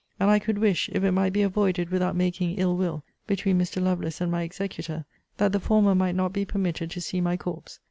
And I could wish, if it might be avoided without making ill will between Mr. Lovelace and my executor, that the former might not be permitted to see my corpse.